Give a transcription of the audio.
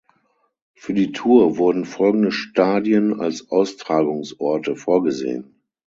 Für die Tour wurden folgende Stadien als Austragungsorte vorgesehen.